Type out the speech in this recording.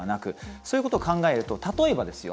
そういうことを考えると例えばですよ。